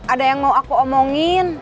ada yang mau aku omongin